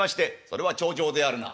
「それは重畳であるな。